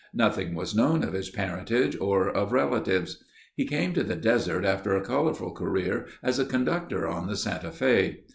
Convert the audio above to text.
Nothing was known of his parentage or of relatives. He came to the desert after a colorful career as a conductor on the Santa Fe.